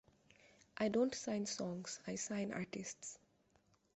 I don't sign songs, I sign artists.